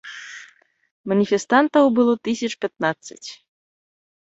Маніфестантаў было тысяч пятнаццаць.